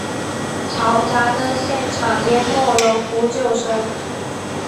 嘈杂的现场淹没了呼救声。